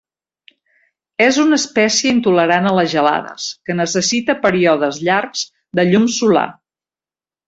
És una espècie intolerant a les gelades que necessita períodes llargs de llum solar.